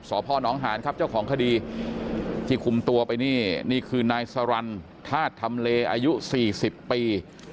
พ่อน้องหานครับเจ้าของคดีที่คุมตัวไปนี่นี่คือนายสรรธาตุธรรมเลอายุ๔๐ปี